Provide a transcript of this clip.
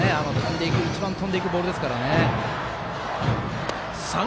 一番、飛んでいくボールですからね。